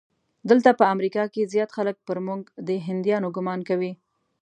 دلته په امریکا کې زیات خلک پر موږ د هندیانو ګومان کوي.